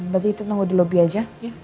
lagi kita tunggu di lobby aja